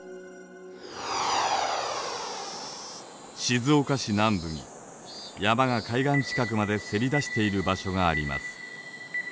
静岡市南部に山が海岸近くまでせり出している場所があります。